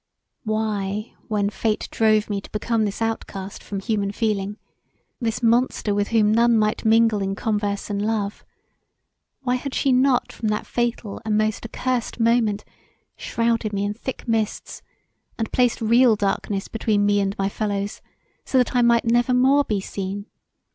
Why when fate drove me to become this outcast from human feeling; this monster with whom none might mingle in converse and love; why had she not from that fatal and most accursed moment, shrouded me in thick mists and placed real darkness between me and my fellows so that I might never more be seen?